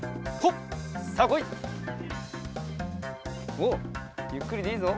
おっゆっくりでいいぞ！